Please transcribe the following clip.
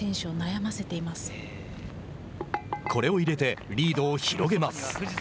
これを入れてリードを広げます。